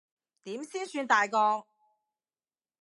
點先算大個？